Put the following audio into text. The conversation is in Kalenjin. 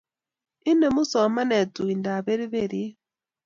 Inemu somanet tuindab perperiet